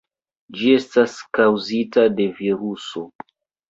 Ĝi estas kaŭzita de viruso.